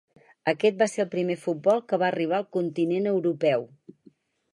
Aquest va ser el primer futbol que va arribar al continent europeu.